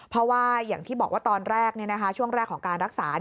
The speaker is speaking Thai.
เพราะว่าอย่างที่บอกว่าตอนแรกช่วงแรกของการรักษา